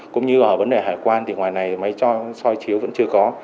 cũng như ở vấn đề hải quan thì ngoài này máy soi chiếu vẫn chưa có